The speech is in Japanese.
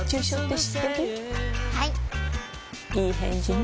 いい返事ね